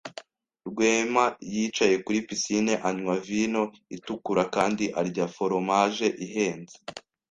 Rwema yicaye kuri pisine anywa vino itukura kandi arya foromaje ihenze.